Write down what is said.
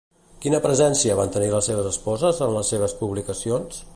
Quina presència van tenir les seves esposes en les seves publicacions?